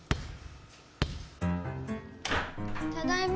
ただいま。